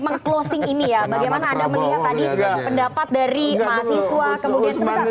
sebentar sebentar bang dhani